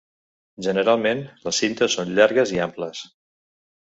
Generalment, les cintes són llargues i amples.